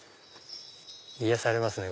癒やされますね